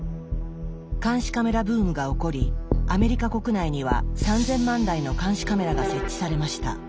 監視カメラブームが起こりアメリカ国内には３０００万台の監視カメラが設置されました。